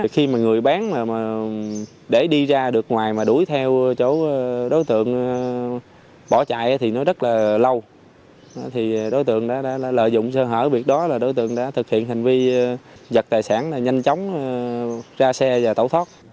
khi người bán để đi ra được ngoài mà đuổi theo chỗ đối tượng bỏ chạy thì nó rất là lâu đối tượng đã lợi dụng sơ hở việc đó đối tượng đã thực hiện hành vi vật tài sản nhanh chóng ra xe và tàu thoát